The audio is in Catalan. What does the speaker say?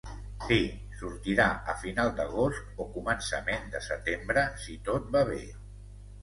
Sí, sortirà a final d’agost o començament de setembre si tot va bé.